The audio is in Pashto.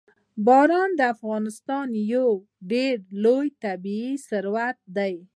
باران د افغانستان یو ډېر لوی طبعي ثروت دی.